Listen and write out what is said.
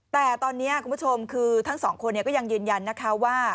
แต่ตอนนี้คุณผู้ชมคือทั้งสองคนก็ยังยืนยันนะคะว่า